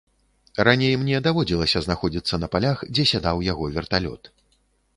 Раней мне даводзілася знаходзіцца на палях, дзе сядаў яго верталёт.